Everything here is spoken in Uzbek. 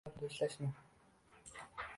Bu bola bilan do‘stlashma.